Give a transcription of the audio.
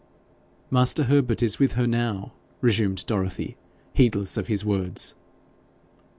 'Master Herbert is with her now,' resumed Dorothy, heedless of his words.